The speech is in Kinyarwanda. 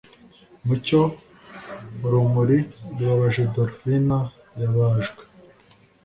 Mucyo urumuri rubabaje dolphine yabajwe